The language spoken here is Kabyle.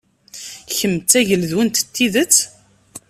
Kemm d tageldunt n tidet?